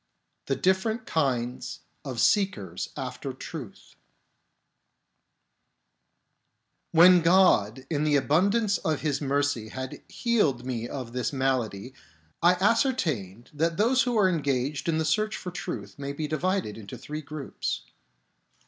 The Different Kinds of Seekers after Truth When God in the abundance of His mercy had healed me of this malady, I ascertained that those who are engaged in the search for truth may be divided into three groups.